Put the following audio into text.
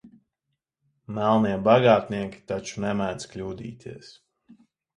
Melnie bagātnieki taču nemēdz kļūdīties.